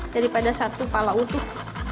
daripada satu pala utuh